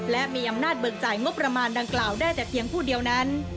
และมีอำนาจเบิกจ่ายงบประมาณดังกล่าวได้แต่เพียงผู้เดียวนั้น